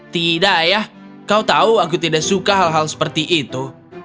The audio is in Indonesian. tidak ayah kau tahu aku tidak suka hal hal seperti itu